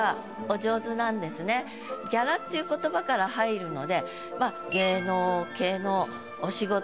「ギャラ」っていう言葉から入るので。